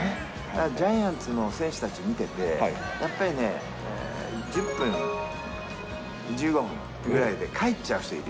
ジャイアンツの選手たち見てて、やっぱりね、１０分、１５分ぐらいで帰っちゃう人いる。